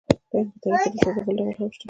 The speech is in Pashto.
د هند په تاریخ کې د سزا بل ډول هم شته.